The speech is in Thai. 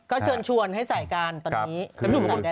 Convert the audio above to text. ก็เชิญชวนให้ใส่กันตอนนี้